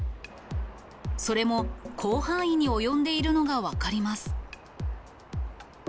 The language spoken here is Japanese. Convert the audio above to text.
それも、広範囲に及んでいるのが分かります。